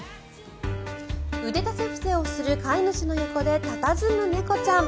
腕立て伏せをする飼い主の横で佇む猫ちゃん。